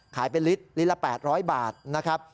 ขายเป็นลิตรละ๘๐๐บาทนะครับ